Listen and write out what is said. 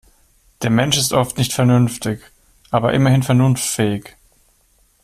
Der Mensch ist oft nicht vernünftig, aber immerhin vernunftfähig.